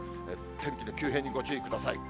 天気の急変にご注意ください。